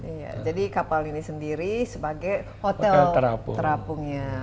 iya jadi kapal ini sendiri sebagai hotel terapungnya